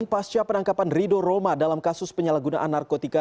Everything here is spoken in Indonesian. pasca penangkapan rido roma dalam kasus penyalahgunaan narkotika